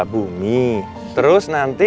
bumi terus nanti